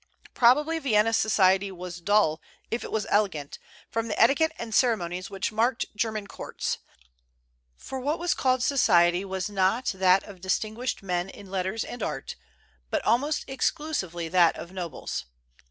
Probably Vienna society was dull, if it was elegant, from the etiquette and ceremonies which marked German courts; for what was called society was not that of distinguished men in letters and art, but almost exclusively that of nobles.